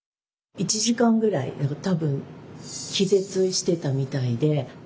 １時間ぐらい多分気絶してたみたいで。